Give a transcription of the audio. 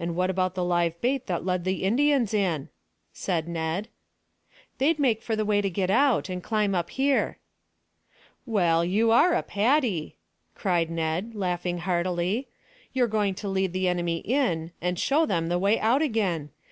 "And what about the live bait that led the Indians in?" said Ned. "They'd make for the way to get out, and climb up here." "Well, you are a Paddy," cried Ned, laughing heartily. "You're going to lead the enemy in, and show them the way out again.